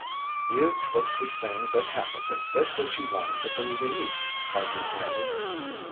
"You've twisted things that happened to fit what you wanted to believe," argued Larry.